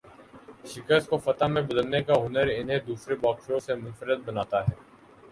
شکست کو فتح میں بدلنے کا ہنر انہیں دوسرے باکسروں سے منفرد بناتا ہے